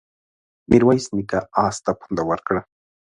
ميرويس نيکه آس ته پونده ورکړه.